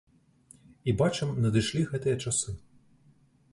І бачым надышлі гэтыя часы.